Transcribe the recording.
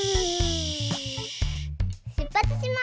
しゅっぱつします。